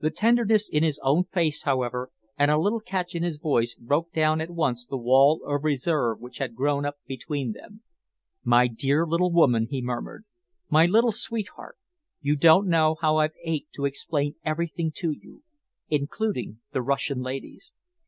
The tenderness in his own face, however, and a little catch in his voice, broke down at once the wall of reserve which had grown up between them. "My dear little woman!" he murmured. "My little sweetheart! You don't know how I've ached to explain everything to you including the Russian ladies."